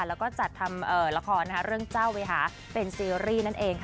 แล้วก็จัดทำละครเรื่องเจ้าเวหาเป็นซีรีส์นั่นเอง